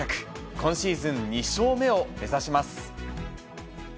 今シーズン、２勝目を目指します。